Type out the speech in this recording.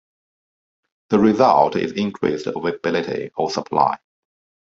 The result is increased availability of supply.